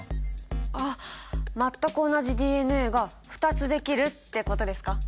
ああ全く同じＤＮＡが２つできるってことですか？